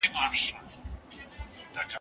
زما بچي مي زه پخپله لویومه